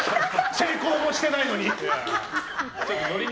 成功もしてないのに。